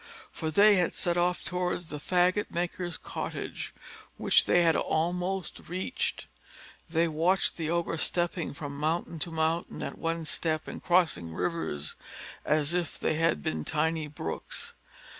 For they had set off towards the faggot maker's cottage, which they had almost reached. They watched the Ogre stepping from mountain to mountain at one step, and crossing rivers as if they had been tiny brooks.